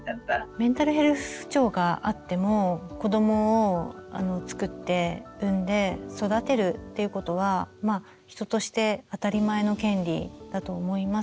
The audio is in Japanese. メンタルヘルス不調があっても子どもをつくって産んで育てるっていうことは人として当たり前の権利だと思います。